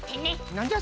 なんじゃ？